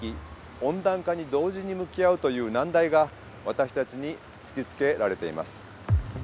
温暖化に同時に向き合うという難題が私たちに突きつけられています。